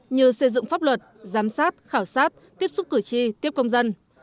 như xây dựng pháp luật giám sát khảo sát tiếp xúc cử tri tiếp công dân